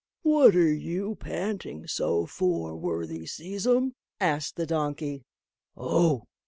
what are you panting so for, worthy Seize 'em?" asked the donkey. "Oh!"